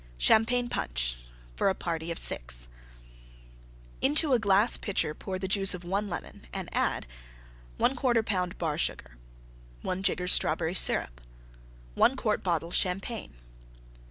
CHAMPAGNE PUNCH (for a party of 6) Into a glass Pitcher pour the Juice of 1 Lemon, and add: 1/4 lb. Bar Sugar. 1 jigger Strawberry Syrup. 1 quart bottle Champagne.